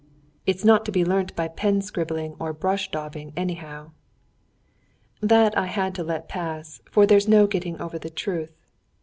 "It is not to be learnt by pen scribbling or brush daubing, anyhow." That I had to let pass, for there's no getting over the truth.